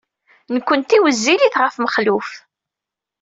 Nekkenti wezzilit ɣef Mexluf.